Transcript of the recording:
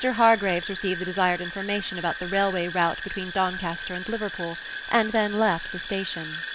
Hargraves received the desired information about the railway route between Doncaster and Liverpool, and then left the station.